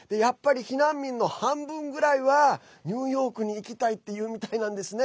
避難民の半分くらいはニューヨークに行きたいって言うみたいなんですね。